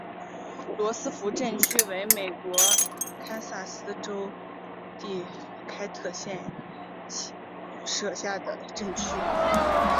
罗斯福镇区为美国堪萨斯州第开特县辖下的镇区。